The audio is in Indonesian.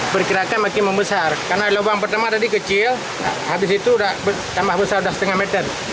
perkirakan makin membesar karena lubang pertama tadi kecil habis itu sudah tambah besar sudah setengah meter